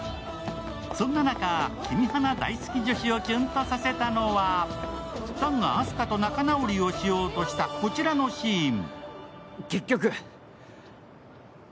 そんな中、「君花」大好き女子をキュンとさせたのは、弾があす花と仲直りをしようとした、こちらのシーン。